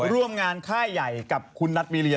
ร่วมงานค่ายใหญ่กับคุณนัทมีเรีย